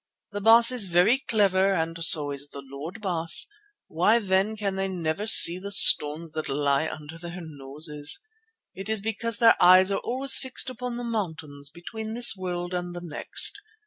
The Baas is very clever and so is the Lord Baas, why then can they never see the stones that lie under their noses? It is because their eyes are always fixed upon the mountains between this world and the next.